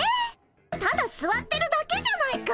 ただすわってるだけじゃないか。